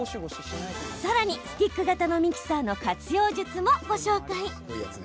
さらにスティック型のミキサーの活用術もご紹介。